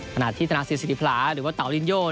ขณะที่ธนาศิษศิริพลาหรือว่าเต่าลินโย